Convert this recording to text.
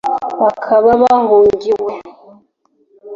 bakaba bahungiwe